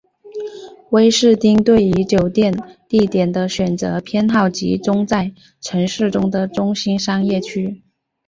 威士汀对于酒店地点的选择偏好集中在城市中的中心商业区。